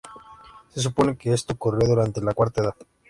Se supone que esto ocurrió durante la Cuarta Edad.